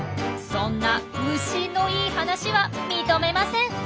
そんな虫のいい話は認めません！